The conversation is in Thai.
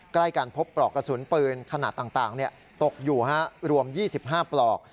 ใกล้กันพบปลอกกระสุนปืนขนาดต่างตกอยู่รวม๒๕ปลอก